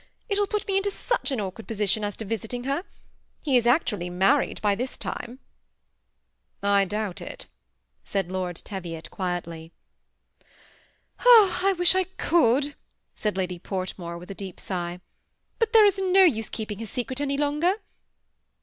It will put me into such an awkward position as to visiting her. He is actually married by this time." " I doubt it," said Lord Teviot, quietly. " I wish I could," said Lady Portmore, with a deep sigh; ''but there is no use keeping his secret any longer."